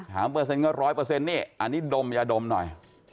ถามเปอร์เซ็นต์ก็ร้อยเปอร์เซ็นต์นี่อันนี้ดมอย่าดมหน่อย